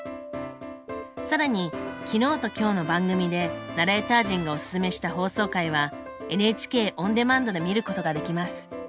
更に昨日と今日の番組でナレーター陣がおすすめした放送回はＮＨＫオンデマンドで見ることができます。